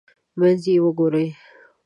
منځ یې وګورئ.